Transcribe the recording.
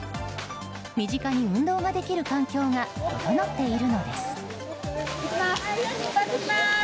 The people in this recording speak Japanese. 身近に運動ができる環境が整っているのです。